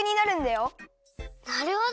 なるほど！